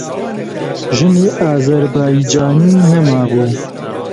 ژنی ئازەربایجانیی نەمابوو.